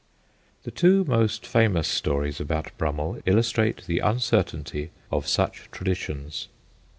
The two most famous stories about Brum mell illustrate the uncertainty of such traditions.